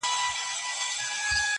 هغه غوټه په غاښو ورڅخه پرې کړه-